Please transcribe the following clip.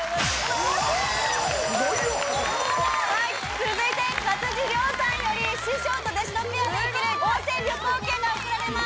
続いて勝地涼さんより師匠と弟子のペアで行ける温泉旅行券が贈られまーす。